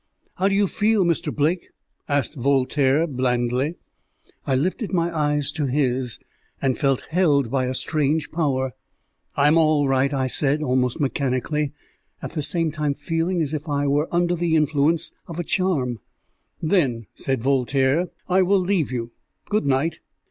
"How do you feel, Mr. Blake?" asked Voltaire, blandly. I lifted my eyes to his, and felt held by a strange power. "I'm all right," I said almost mechanically, at the same time feeling as if I was under the influence of a charm. "Then," said Voltaire, "I will leave you. Good night."